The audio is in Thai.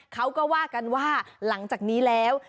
เขาก็ว่ากันว่าหลังจากนี้แล้ว